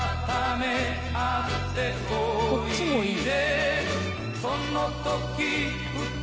こっちもいい。